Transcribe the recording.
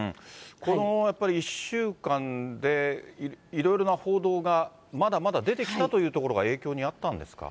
このやっぱり１週間でいろいろな報道が、まだまだ出てきたというところが影響にあったんですか。